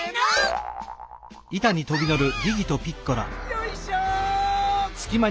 よいしょ！